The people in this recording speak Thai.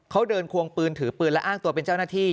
เขาเดินควงปืนถือปืนและอ้างตัวเป็นเจ้าหน้าที่